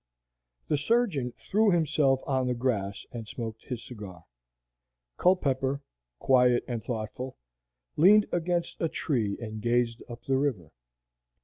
The surgeon threw himself on the grass and smoked his cigar. Culpepper, quiet and thoughtful, leaned against a tree and gazed up the river.